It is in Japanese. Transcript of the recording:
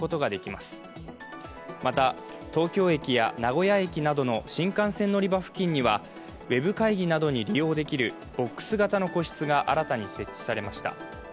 また、東京駅や名古屋駅などの新幹線乗り場付近にはウェブ会議などに利用できるボックス形の個室が新たに設置されました。